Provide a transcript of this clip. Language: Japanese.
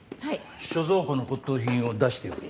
所蔵庫の骨董品を出しておけ。